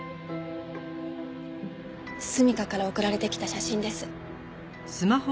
純夏から送られてきた写真です。